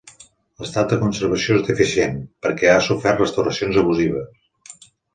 L'estat de conservació és deficient, perquè ha sofert restauracions abusives.